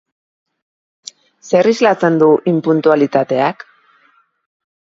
Zer islatzen du inpuntualitateak?